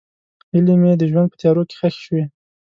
هیلې مې د ژوند په تیارو کې ښخې شوې.